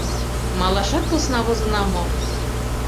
Малашат посна возына мо?